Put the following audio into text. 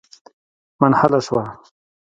منحله شوه.